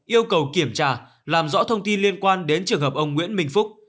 yêu cầu kiểm tra làm rõ thông tin liên quan đến trường hợp ông nguyễn minh phúc